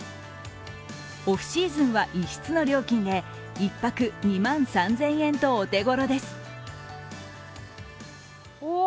オフシーズンは１室の料金で、１泊２万３０００円とお手頃です。